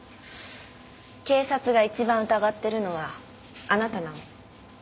警察が一番疑ってるのはあなたなの。